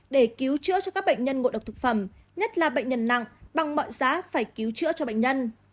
để cứu chữa cho các bệnh nhân ngộ độc thực phẩm nhất là bệnh nhân nặng bằng mọi giá phải cứu chữa cho bệnh nhân